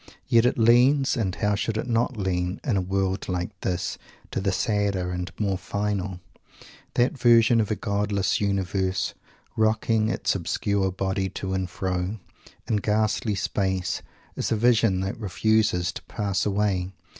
Yet it leans, and how should it not lean, in a world like this, to the sadder and the more final. That vision of a godless universe, "rocking its obscure body to and fro," in ghastly space, is a vision that refuses to pass away.